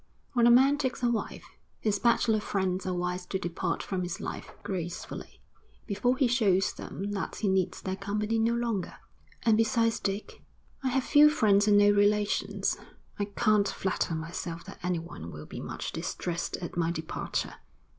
When a man takes a wife, his bachelor friends are wise to depart from his life, gracefully, before he shows them that he needs their company no longer.' 'And besides Dick?' 'I have few friends and no relations. I can't flatter myself that anyone will be much distressed at my departure.'